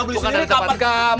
bukan dari tempat kamu